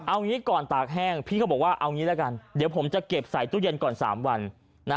เอางี้ก่อนตากแห้งพี่ก็บอกว่าเอางี้ละกันเดี๋ยวผมจะเก็บใส่ตู้เย็นก่อน๓วันนะ